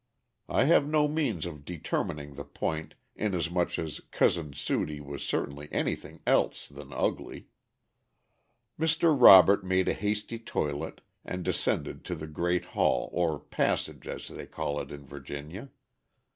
I have no means of determining the point, inasmuch as "Cousin Sudie" was certainly anything else than ugly. Mr. Robert made a hasty toilet and descended to the great hall, or passage, as they call it in Virginia.